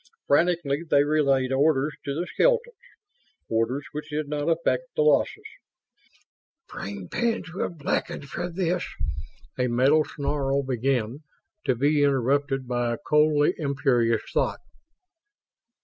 Frantically they relayed orders to the skeletons; orders which did not affect the losses. "Brain pans will blacken for this ..." a mental snarl began, to be interrupted by a coldly imperious thought.